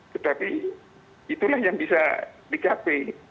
tetapi itulah yang bisa dicapai